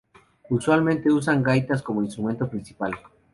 Usualmente usan gaitas como instrumento principal.